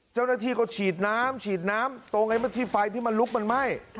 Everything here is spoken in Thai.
เจ้าหน้าที่ก็ฉีดน้ำฉีดน้ำตรงไอ้ที่ไฟที่มันลุกมันไหม้